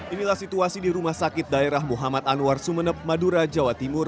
inilah situasi di rumah sakit daerah muhammad anwar sumeneb madura jawa timur